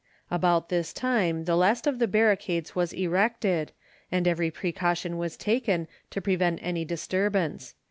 About this time the last of the barricades was erected, and every precaution was taken to prevent any disturbance.